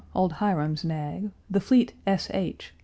Old Hiram's nag, The fleet s. h.